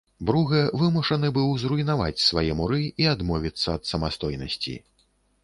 Бругэ вымушаны быў зруйнаваць свае муры і адмовіцца ад самастойнасці.